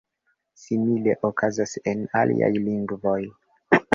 Simile okazas en aliaj lingvoj.